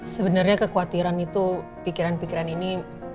sebenarnya kekhawatiran itu pikiran pikiran ini